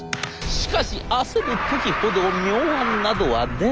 しかし焦る時ほど妙案などは出ないもの。